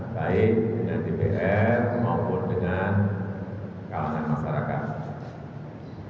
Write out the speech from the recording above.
baik dengan dpr maupun dengan kalangan masyarakat